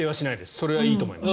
それはいいと思います。